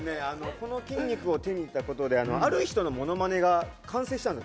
この筋肉を手に入れたことである人のものまねが完成したんです